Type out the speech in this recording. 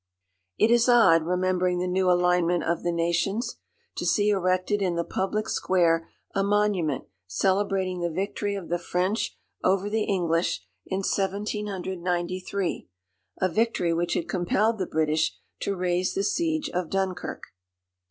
It is odd, remembering the new alignment of the nations, to see erected in the public square a monument celebrating the victory of the French over the English in 1793, a victory which had compelled the British to raise the siege of Dunkirk.